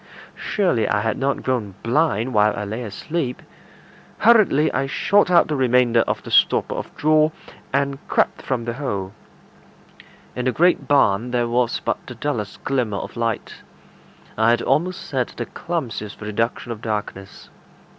Surely I had not grown blind while I lay asleep. Hurriedly I shot out the remainder of the stopper of straw, and crept from the hole. In the great barn there was but the dullest glimmer of light; I had almost said the clumsiest reduction of darkness.